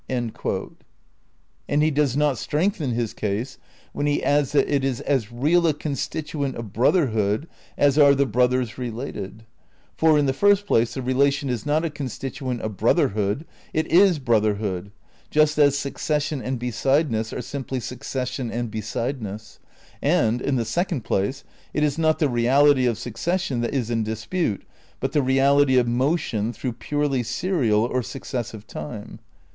* And he does not strengthen his case when he adds that it is "as real a constituent of brotherhood as are the brothers related:" for, in the first place, the rela tion is not a constituent of brotherhood ; it is brother hood, just as succession and besideness are simply suc cession and besideness ; and, in the second place, it is not the reality of succession that is in dispute but the reality of motion through purely serial or successive time.